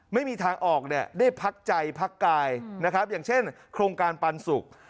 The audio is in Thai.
ไม่มีทางออกได้พักใจพักกายอย่างเช่นโครงการปันสุข